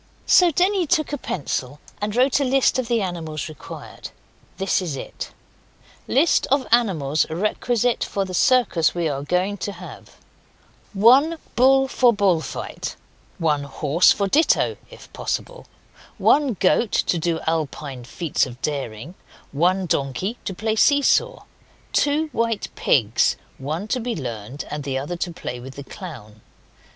So Denny took a pencil and wrote a list of the animals required. This is it: LIST OF ANIMALS REQUISITE FOR THE CIRCUS WE ARE GOING TO HAVE 1 Bull for bull fight. 1 Horse for ditto (if possible). 1 Goat to do Alpine feats of daring. 1 Donkey to play see saw. 2 White pigs one to be Learned, and the other to play with the clown.